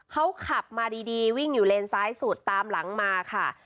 เขาขับมาดีวิ่งอยู่เลนซ้ายสุดตามหลังมาค่ะ